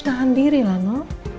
tahan diri lah no